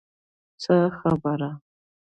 څه خبره.